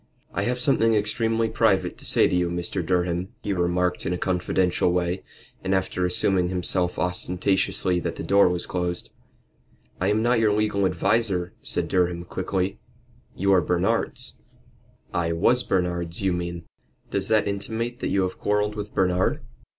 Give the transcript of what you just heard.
"I have something extremely private to say to you, Mr. Durham," he remarked in a confidential way, and after assuring himself ostentatiously that the door was closed. "I am not your legal adviser," said Durham, quickly. "You are Bernard's." "I was Bernard's, you mean." "Does that intimate that you have quarrelled with Bernard?"